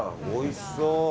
おいしそう。